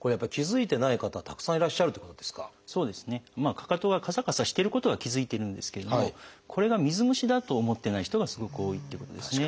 かかとがカサカサしてることは気付いてるんですけれどもこれが水虫だと思ってない人がすごく多いっていうことですね。